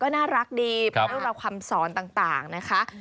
ก็น่ารักดีพระรุราความสอนต่างนะคะ